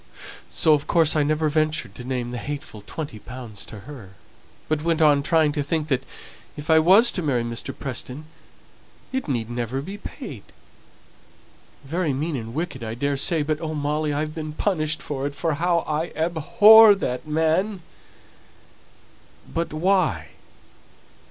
So, of course, I never ventured to name the hateful twenty pounds to her, but went on trying to think that if I was to marry Mr. Preston, it need never be paid very mean and wicked, I daresay; but oh, Molly, I've been punished for it, for how I abhor that man." "But why?